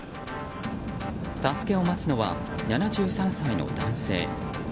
助けを待つのは７３歳の男性。